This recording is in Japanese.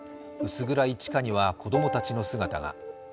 薄暗い地下には子供たちの姿が。